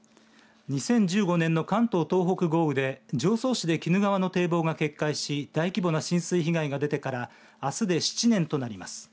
２０１５年の関東・東北豪雨で常総市で鬼怒川の堤防が決壊し大規模な浸水被害が出てからあすで７年となります。